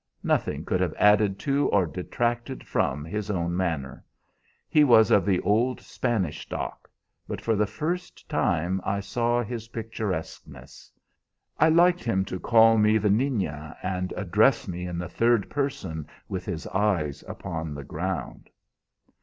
Nothing could have added to or detracted from his own manner. He was of the old Spanish stock, but for the first time I saw his picturesqueness. I liked him to call me 'the Niña,' and address me in the third person with his eyes upon the ground.